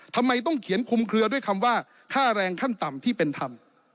ทำไมต้องเขียนคุมเคลือด้วยคำว่าค่าแรงขั้นต่ำที่เป็นธรรม